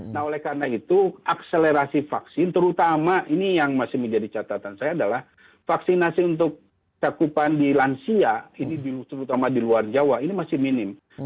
nah oleh karena itu akselerasi vaksin terutama ini yang masih menjadi catatan saya adalah vaksinasi untuk cakupan di lansia ini terutama di luar jawa ini masih minim